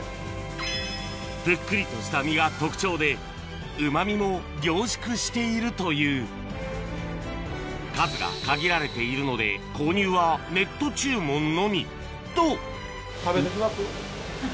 ぷっくりとした身が特徴でうま味も凝縮しているという数が限られているので購入はネット注文のみと！